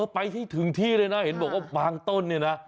ไปให้ถึงที่เลยนะเห็นบอกว่าบางต้นเนี่ยนะ